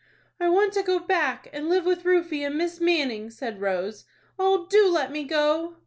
"I want to go back, and live with Rufie and Miss Manning," said Rose. "Oh, do let me go!"